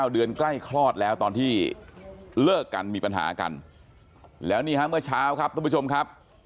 เดือนใกล้คลอดแล้วตอนที่เลิกกันมีปัญหากันแล้วนี่ฮะเมื่อเช้าครับทุกผู้ชมครับ